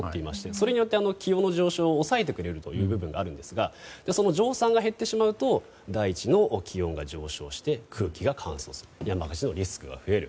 それによって気温の上昇を抑えてくれる部分がありますがその蒸散が減ってしまうと大地の気温が上昇して空気が乾燥し山火事のリスクが増える。